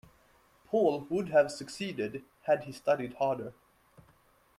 Paul would have succeeded had he studied harder.